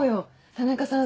田中さん